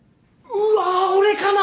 うわ俺かなぁ？